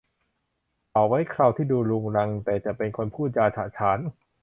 เขาไว้เคราที่ดูรกรุงรังแต่เป็นคนพูดจาฉะฉาน